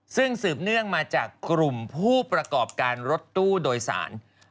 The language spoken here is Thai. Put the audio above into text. ซึ่งสืบเนื่องมาจากกลุ่มผู้ประกอบการรถตู้โดยสาร